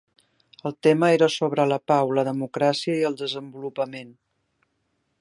El tema era sobre la pau, la democràcia i el desenvolupament.